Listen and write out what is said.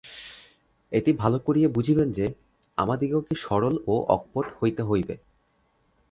এটি ভাল করিয়া বুঝিবেন যে, আমাদিগকে সরল ও অকপট হইতে হইবে।